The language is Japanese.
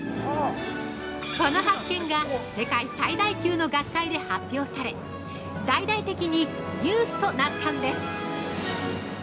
◆この発見が、世界最大級の学会で発表され大々的にニュースとなったんです。